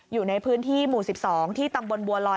อยู่ในพื้นที่หมู่๑๒ที่ตำบลบัวลอย